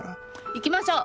行きましょう！